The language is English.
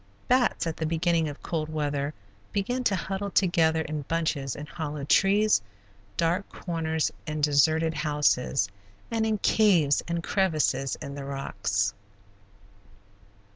Bats, at the beginning of cold weather, begin to huddle together in bunches in hollow trees, dark corners in deserted houses, and in caves and crevices in the rocks.